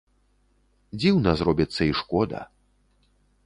Дзіўна зробіцца й шкода.